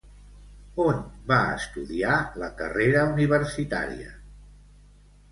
On va estudiar la carrera universitària?